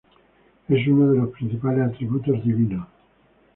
Es uno de los principales atributos divinos.